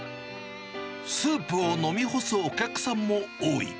スープを飲み干すお客さんも多い。